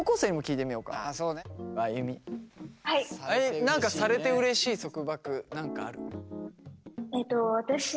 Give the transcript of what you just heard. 何かされてうれしい束縛何かある？